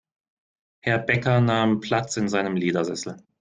Herr Bäcker nahm Platz in seinem Ledersessel.